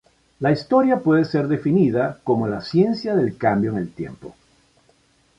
La historia puede ser definida como la ciencia del cambio en el tiempo.